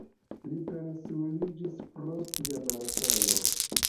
Li pensiuliĝis pro sia malsano.